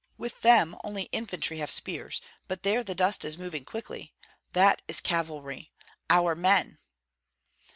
"With them only infantry have spears; but there the dust is moving quickly. That is cavalry, our men!"